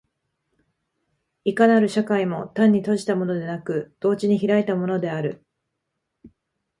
いかなる社会も単に閉じたものでなく、同時に開いたものである。